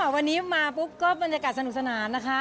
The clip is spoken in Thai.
วันนี้มาปุ๊บก็บรรยากาศสนุกสนานนะคะ